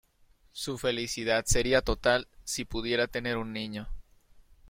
Su felicidad sería total si pudieran tener un niño.